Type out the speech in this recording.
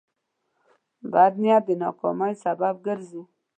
بد نیت د ناکامۍ سبب ګرځي.